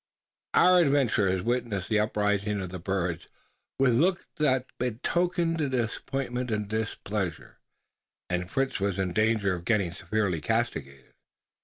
Our adventurers witnessed the uprising of the birds with looks that betokened disappointment and displeasure; and Fritz was in danger of getting severely castigated.